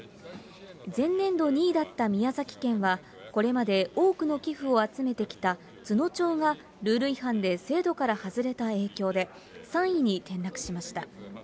前年度２位だった宮崎県は、これまで多くの寄付を集めてきた都農町がルール違反で制度から外れた影響で、３位に転落しました。